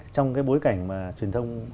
trong cái bối cảnh mà truyền thông